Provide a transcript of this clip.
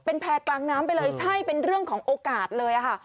เป็นแพร่กลางน้ำไปเลยใช่เป็นเรื่องของโอกาสเลยค่ะ